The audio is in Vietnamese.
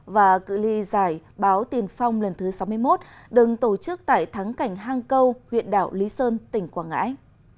và cự li giải báo tiền phong lần thứ sáu mươi một đừng tổ chức tại thắng cảnh hang câu huyện đảo lý sơn tỉnh quảng ngãi